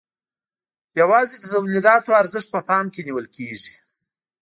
یوازې د تولیداتو ارزښت په پام کې نیول کیږي.